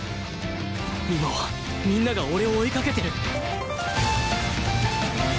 今はみんなが俺を追いかけてる！